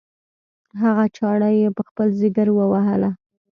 هغه چاړه یې په خپل ځګر ووهله.